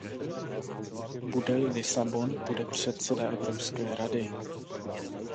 Bude-li Lisabon, bude předseda Evropské rady.